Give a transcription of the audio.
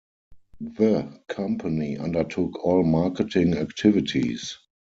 The company undertook all marketing activities.